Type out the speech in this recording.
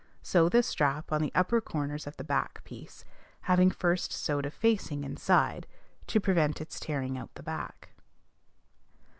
Sew the strap on the upper corners of the back piece, having first sewed a facing inside, to prevent its tearing out the back.